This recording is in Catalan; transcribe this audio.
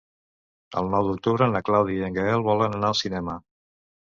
El nou d'octubre na Clàudia i en Gaël volen anar al cinema.